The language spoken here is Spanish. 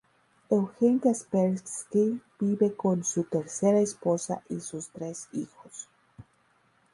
Eugene Kaspersky vive con su tercera esposa y sus tres hijos.